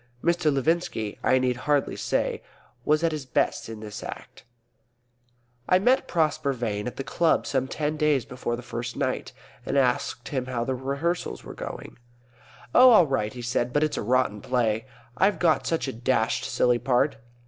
Mr. Levinski, I need hardly say, was at his best in this Act. I met Prosper Vane at the club some ten days before the first night, and asked him how rehearsals were going. "Oh, all right," he said. "But it's a rotten play. I've got such a dashed silly part."